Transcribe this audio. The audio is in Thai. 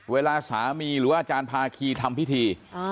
เวลาสามีหรือว่าอาจารย์ภาคีทำพิธี